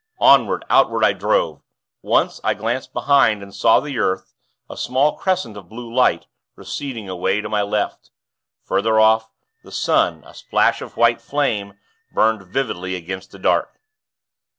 Onward, outward, I drove. Once, I glanced behind, and saw the earth, a small crescent of blue light, receding away to my left. Further off, the sun, a splash of white flame, burned vividly against the dark.